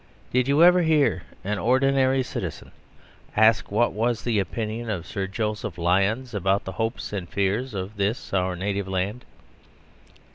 Did you ever hear an ordinary citizen ask what was the opinion of Sir Joseph Lyons about the hopes and fears of this, our native land?